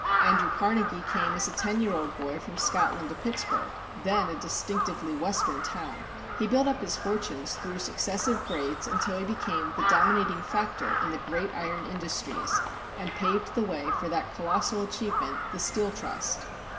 Andrew Carnegie came as a ten year old boy from Scotland to Pittsburgh, then a distinctively Western town. He built up his fortunes through successive grades until he became the dominating factor in the great iron industries, and paved the way for that colossal achievement, the Steel Trust.